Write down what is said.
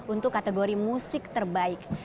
untuk kategori musik terbaik